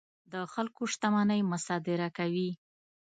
د خلکو شتمنۍ مصادره کوي.